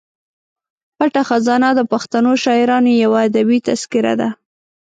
پټه خزانه د پښتنو شاعرانو یوه ادبي تذکره ده.